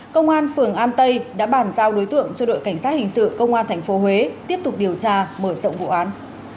hoa thành phố huế tiếp tục điều tra mở rộng vụ án